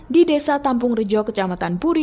di desa tampung rejo kecamatan puri